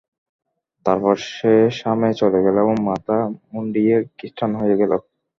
তারপর সে শামে চলে গেল এবং মাথা মুণ্ডিয়ে খৃষ্টান হয়ে গেল।